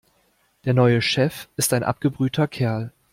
Der neue Chef ist ein abgebrühter Kerl.